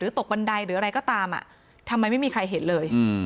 ตกบันไดหรืออะไรก็ตามทำไมไม่มีใครเห็นเลย